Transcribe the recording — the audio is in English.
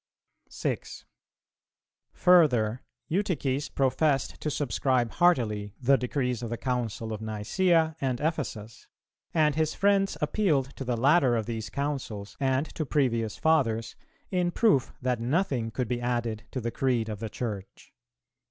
6. Further, Eutyches professed to subscribe heartily the decrees of the Council of Nicæa and Ephesus, and his friends appealed to the latter of these Councils and to previous Fathers, in proof that nothing could be added to the Creed of the Church.